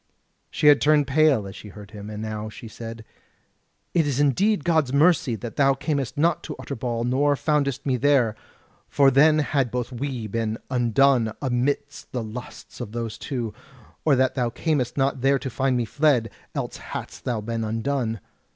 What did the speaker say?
She had turned pale as she heard him, and now she said: "It is indeed God's mercy that thou camest not to Utterbol nor foundest me there, for then had both we been undone amidst the lusts of those two; or that thou camest not there to find me fled, else hadst thou been undone.